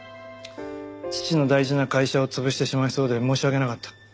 父の大事な会社を潰してしまいそうで申し訳なかった。